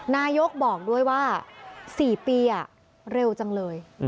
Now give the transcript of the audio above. นายกบอกด้วยว่า๔ปีเร็วจังเลย